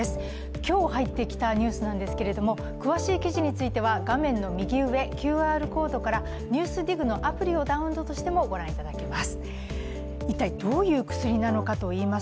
今日入ってきたニュースなんですけれども、詳しい記事については画面の右上、ＱＲコードから「ＮＥＷＳＤＩＧ」のアプリをダウンロードしてもご覧いただけます。